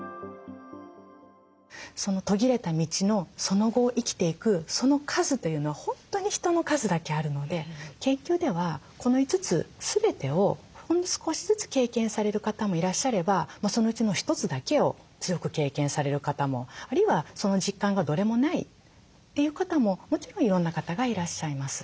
途切れた道のその後を生きていくその数というのは本当に人の数だけあるので研究ではこの５つ全てをほんの少しずつ経験される方もいらっしゃればそのうちの１つだけを強く経験される方もあるいはその実感がどれもないという方ももちろんいろんな方がいらっしゃいます。